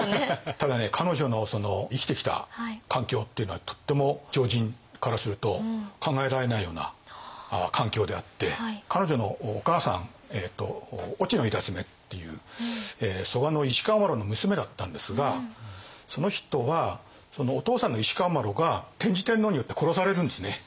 ただね彼女の生きてきた環境っていうのはとっても常人からすると考えられないような環境であって彼女のお母さん遠智娘っていう蘇我石川麻呂の娘だったんですがその人はお父さんの石川麻呂が天智天皇によって殺されるんですね。